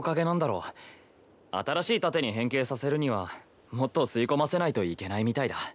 新しい盾に変形させるにはもっと吸い込ませないといけないみたいだ。